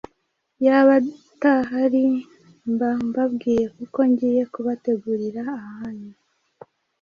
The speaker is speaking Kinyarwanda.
iyaba atahari, mba mbabwiye kuko ngiye kubategurira ahanyu.